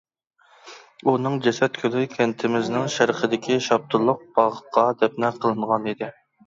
ئۇنىڭ جەسەت كۈلى كەنتىمىزنىڭ شەرقىدىكى شاپتۇللۇق باغقا دەپنە قىلىنغانىدى.